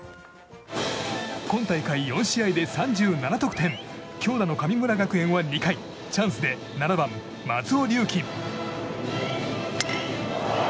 今大会４試合で３７得点強打の神村学園は２回チャンスで７番、松尾龍樹。